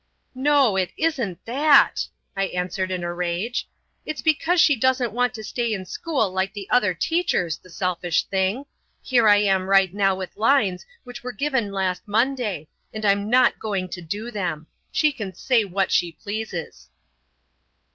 "No, it isn't that," I answered in a rage; "It's because she doesn't want to stay in school like the other teachers, the selfish thing! Here I am right now with lines which were given last Monday, and I'm not going to do them. She can say what she pleases!"